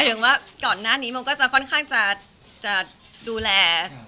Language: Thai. ถึงว่าก่อนหน้านี้มันก็จะค่อนข้างจะดูแล